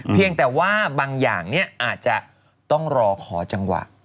เพียงแต่ว่าบางอย่างอาจจะต้องรอขอจังหวะ